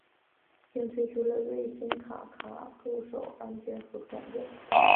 并推出了瑞星卡卡助手安全辅助软件。